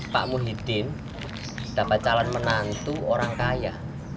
pak muhyiddin dapat calon menantu orang kaya